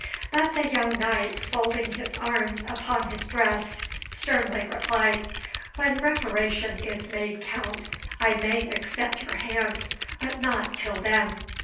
But the young knight, folding his arms upon his breast, sternly replied "When reparation is made, Count, I may accept your hand, but not till then."